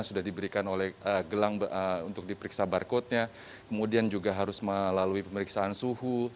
sudah diberikan oleh gelang untuk diperiksa barcode nya kemudian juga harus melalui pemeriksaan suhu